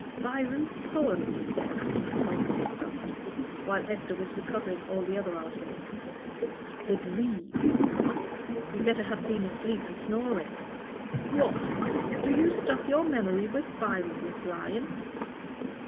"Byron's Poems!" he said, in a tone of disgust, while Esther was recovering all the other articles. "'The Dream' he'd better have been asleep and snoring. What! do you stuff your memory with Byron, Miss Lyon?"